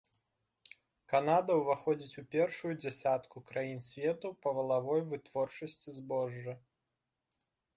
Канада ўваходзіць у першую дзясятку краін свету па валавой вытворчасці збожжа.